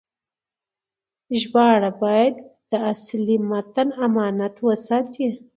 ژباړه باید د اصلي متن امانت وساتي.